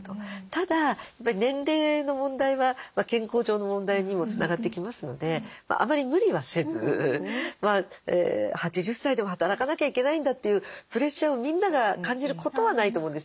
ただ年齢の問題は健康上の問題にもつながってきますのであまり無理はせず８０歳でも働かなきゃいけないんだというプレッシャーをみんなが感じることはないと思うんですよ。